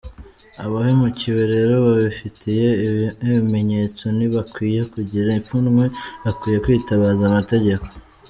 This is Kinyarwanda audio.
Abahemukiwe rero babifitiye n’ibimenyetso ntibakwiye kugira ipfunwe, bakwiye kwitabaza amategeko.